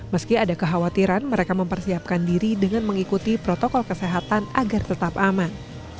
meski ada kekhawatiran mereka mempersiapkan diri dengan mengikuti protokol kesehatan agar tetap aman